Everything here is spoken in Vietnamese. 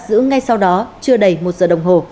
giữ ngay sau đó chưa đầy một giờ đồng hồ